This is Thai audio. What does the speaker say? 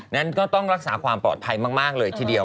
นั้นก็ต้องรักษาความปลอดภัยมากเลยทีเดียว